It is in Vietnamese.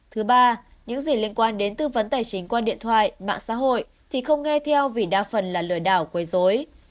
thứ ba những gì liên quan đến tư vấn tài chính qua điện thoại mạng xã hội thì không nghe theo vì đa phần là lừa đảo quấy dối